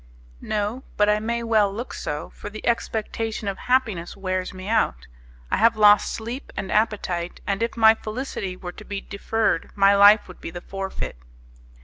"No, but I may well look so, for the expectation of happiness wears me out. I have lost sleep and appetite, and if my felicity were to be deferred my life would be the forfeit."